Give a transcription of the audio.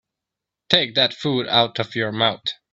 Take that food out of your mouth.